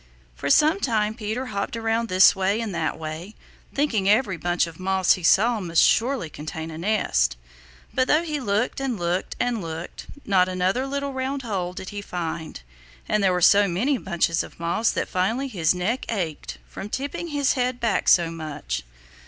For some time Peter hopped around this way and that way, thinking every bunch of moss he saw must surely contain a nest. But though he looked and looked and looked, not another little round hole did he find, and there were so many bunches of moss that finally his neck ached from tipping his head back so much.